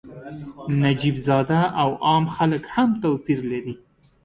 نجیب زاده او عام خلک هم توپیر لري.